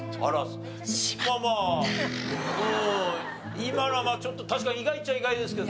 今のはちょっと確かに意外っちゃ意外ですけどね。